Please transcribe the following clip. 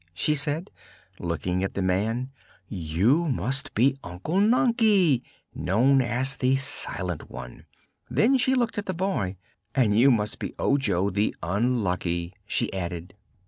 she said, looking at the man, "you must be Unc Nunkie, known as the Silent One." Then she looked at the boy. "And you must be Ojo the Unlucky," she added.